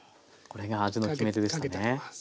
これが味の決め手でしたね。